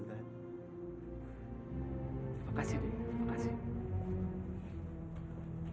terima kasih ibu terima kasih